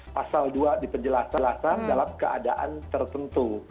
pasal dua di penjelasan dalam keadaan tertentu